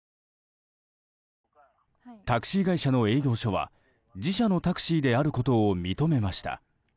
タクシー会社の営業所は自社のタクシーであることを認めました。